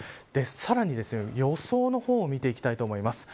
さらに予想を見ていきたいと思います。